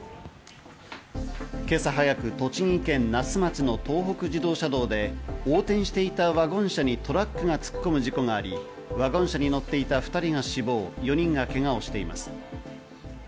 今朝早く、栃木県那須町の東北自動車道で横転していたワゴン車にトラックが突っ込む事故があり、ワゴン車に乗っていた２人が死亡、４人がけがをしています。